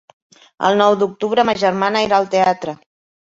El nou d'octubre ma germana irà al teatre.